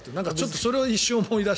それを一瞬思いだした。